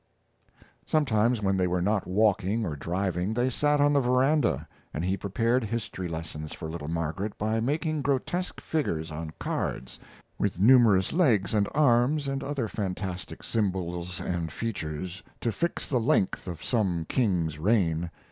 Sometimes, when they were not walking or driving, they sat on the veranda, and he prepared history lessons for little Margaret by making grotesque figures on cards with numerous legs and arms and other fantastic symbols end features to fix the length of some king's reign.